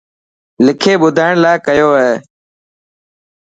لکي ٻڌائڻ لاءِ ڪيو هي.